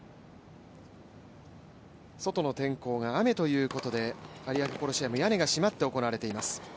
外の天候が雨ということで、有明コロシアム、屋根が閉まって行われています。